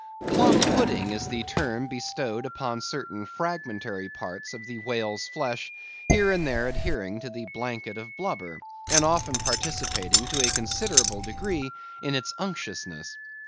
Plum pudding is the term bestowed upon certain fragmentary parts of the whale's flesh, here and there adhering to the blanket of blubber, and often participating to a considerable degree in its unctuousness.